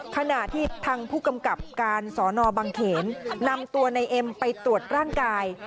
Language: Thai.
ขณะที่ทางผู้กำกับการสอนอบังเขนนำตัวในเอ็มไปตรวจร่างกาย